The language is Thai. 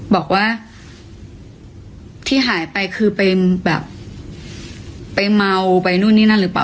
บอกว่าที่หายไปคือไปแบบไปเมาไปนู่นนี่นั่นหรือเปล่า